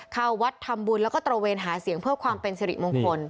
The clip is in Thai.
เข้าวัดทำบุญแล้วก็ตระเวนหาเสียงเพื่อความเป็นสิริมงคล